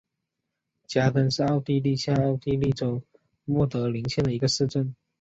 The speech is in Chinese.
加登是奥地利下奥地利州默德林县的一个市镇。